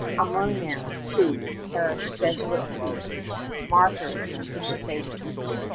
Among them, too, perished Jesuit priests, martyrs to the faith.